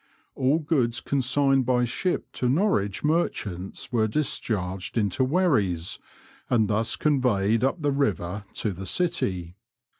All goods consigned by ship to Norwich merchants were discharged into wherries, and thus conveyed up the river to the city.